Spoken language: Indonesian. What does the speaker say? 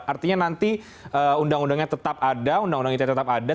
artinya nanti undang undangnya tetap ada undang undang ite tetap ada